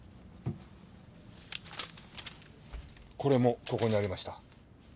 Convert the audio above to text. これもここにありました。